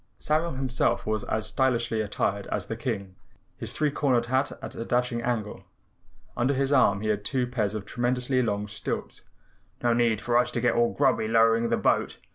Samuel himself was as stylishly attired as the King, his three cornered hat at a dashing angle. Under his arm he had two pairs of tremendously long stilts. "No need for us to get all grubby lowering the boat.